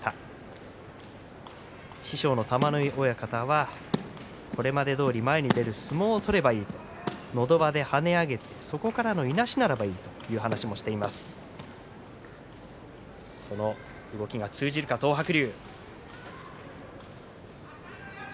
今日も玉ノ井親方はこれまでどおり前に出る相撲を取ればいい合同で跳ね上げてそこからいなしがあればいいとその動きは通じるか、東白龍。